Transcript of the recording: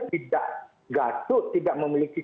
tidak gatuk tidak memiliki